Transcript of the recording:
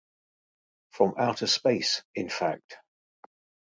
From outer space, in fact.